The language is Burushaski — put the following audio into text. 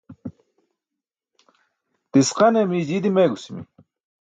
Tisqane mii jii dimeegusimi.